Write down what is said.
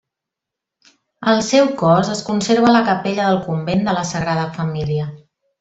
El seu cos es conserva a la capella del convent de la Sagrada Família.